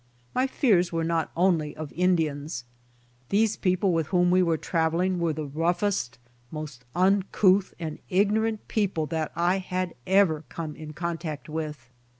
My fears were not only of Indians. These people with whom we were traveling were the roughest, most uncouth and ignorant people that I had ever come in contact with.